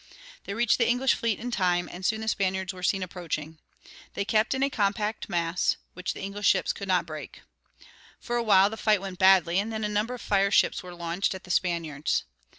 They reached the English fleet in time, and soon the Spaniards were seen approaching. They kept in a compact mass, which the English ships could not break. For a while the fight went badly, and then a number of fire ships were launched at the Spaniards.